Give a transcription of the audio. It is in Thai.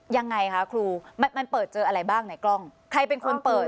ยังไงคะครูมันมันเปิดเจออะไรบ้างในกล้องใครเป็นคนเปิด